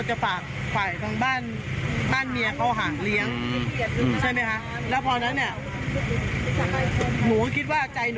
พระเจ้าลูกมานอนแล้วเช้าลูกเขาแปลงเรียนคนหนึ่งครับ๓ควบเอง